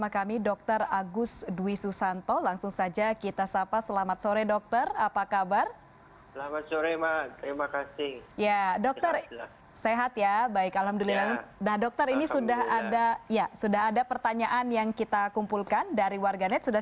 kita siap untuk dijawab